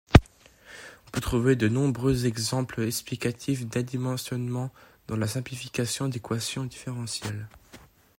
On peut trouver de nombreux exemples explicatifs d'adimensionnement dans la simplification d'équations différentielles.